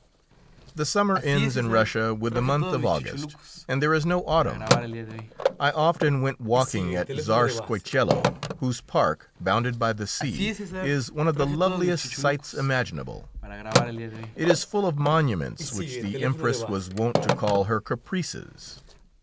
The summer ends in Russia with the month of August, and there is no autumn. I often went walking at Czarskoiesielo, whose park, bounded by the sea, is one of the loveliest sights imaginable. It is full of monuments which the Empress was wont to call her caprices.